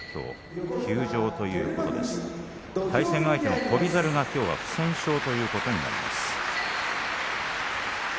対戦相手の翔猿がきょうは不戦勝となります。